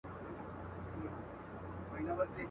ستا پستو غوښو ته اوس مي هم زړه کیږي.